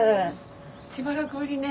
しばらくぶりね。